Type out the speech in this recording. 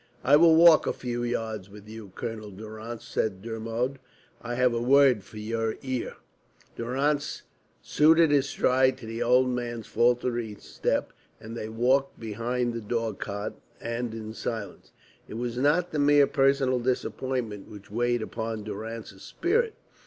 "I will walk a few yards with you, Colonel Durrance," said Dermod. "I have a word for your ear." Durrance suited his stride to the old man's faltering step, and they walked behind the dog cart, and in silence. It was not the mere personal disappointment which weighed upon Durrance's spirit.